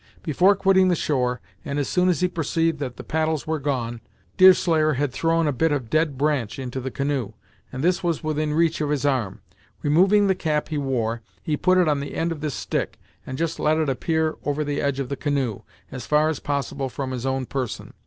Before quitting the shore, and as soon as he perceived that the paddles were gone, Deerslayer had thrown a bit of dead branch into the canoe, and this was within reach of his arm. Removing the cap he wore, he put it on the end of this stick, and just let it appear over the edge of the canoe, as far as possible from his own person.